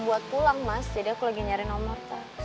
buat pulang mas jadi aku lagi nyari nomor tuh